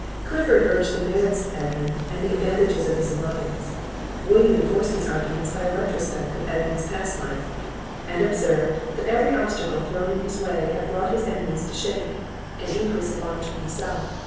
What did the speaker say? Clifford urged the merits of Edmund, and the advantages of his alliance. William enforced his arguments by a retrospect of Edmund's past life; and observed, that every obstacle thrown in his way had brought his enemies to shame, and increase of honour to himself.